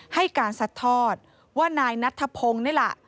ให้การสัดทอดว่านายนัทธพงศ์นี่แหละ